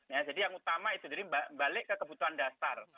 ya jadi yang utama itu tadi balik ke kebutuhan dasar